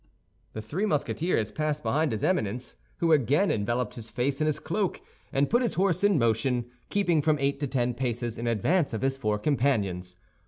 The three Musketeers passed behind his Eminence, who again enveloped his face in his cloak, and put his horse in motion, keeping from eight to ten paces in advance of his four companions.